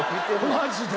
マジで。